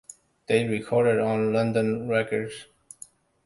They recorded on London Records.